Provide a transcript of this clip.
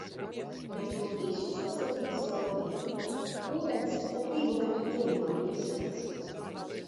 Bet to visu sasildīja Saulīte. Ūdens pat divu metru dziļumā bija silts.